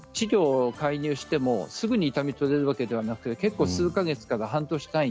治療を介入してもすぐに痛みが取れるわけではなく数か月から半年単位。